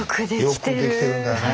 よくできてるんだよね。